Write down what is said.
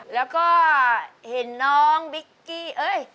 แล้วก็เห็นน้องแป๊กกี้